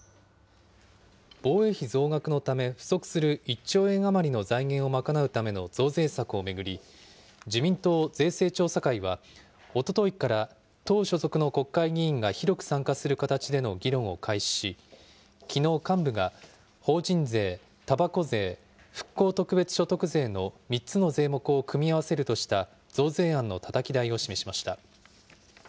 防衛費増額のため不足する１兆円余りの財源を賄うための増税策を巡り、自民党税制調査会は、おとといから党所属の国会議員が広く参加する形での議論を開始し、きのう幹部が、法人税、たばこ税、復興特別所得税の３つの税目を組み合わせるとした増税案のたたき台を示しました。